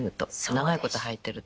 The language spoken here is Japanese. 長い事はいてると。